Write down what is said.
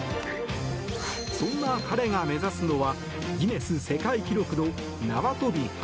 そんな彼が目指すのはギネス世界記録の縄跳び８